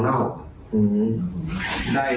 ใช้จ่าย